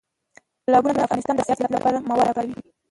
تالابونه د افغانستان د صنعت لپاره مواد برابروي.